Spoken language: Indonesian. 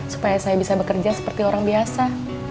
supaya saya bisa bekerja seperti orang biasa